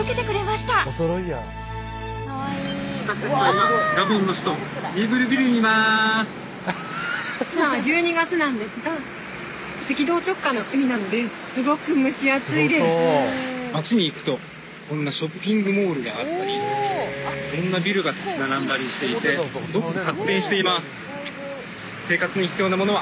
私たちは今ガボンの首都・リーブルビルにいます街に行くとこんなショッピングモールがあったりいろんなビルが立ち並んだりしていてすごく発展しています